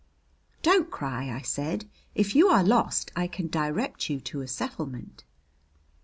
"Don't cry," I said. "If you are lost, I can direct you to a settlement."